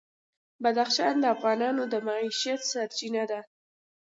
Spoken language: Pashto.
بدخشان د افغانانو د معیشت سرچینه ده.